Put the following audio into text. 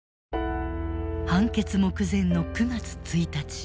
判決目前の９月１日。